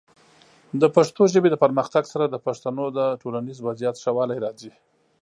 د پښتو ژبې د پرمختګ سره، د پښتنو د ټولنیز وضعیت ښه والی راځي.